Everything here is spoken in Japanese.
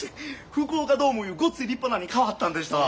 福岡ドームいうごっつい立派なのに変わったんでしたわ。